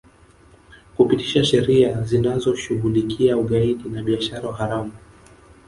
Kupitisha sheria zinazoshughulikia ugaidi na biashara haramu